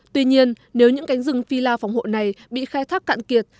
tuy nhiên nếu những cánh rừng phi lao phòng hộ này bị khai thác cạn kiệt